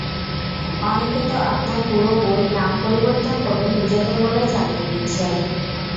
অনেকেতো আপনার পুরো বই, নাম পরিবর্তন করে নিজেদের বলে চালিয়ে দিচ্ছে।